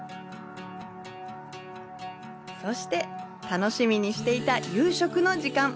そして、楽しみにしていた夕食の時間。